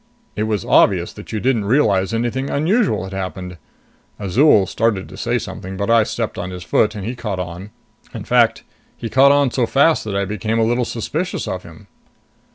'" "It was obvious that you didn't realize anything unusual had happened. Azol started to say something, but I stepped on his foot, and he caught on. In fact, he caught on so fast that I became a little suspicious of him."